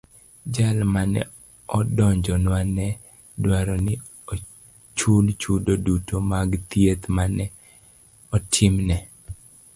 Jal mane odonjonwano ne dwaro ni ochul chudo duto mag thieth mane otimne.